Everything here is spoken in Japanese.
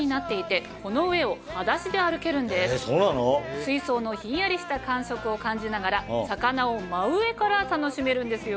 水槽のひんやりした感触を感じながら魚を真上から楽しめるんですよ。